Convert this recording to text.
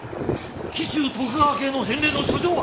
紀州徳川家への返礼の書状は。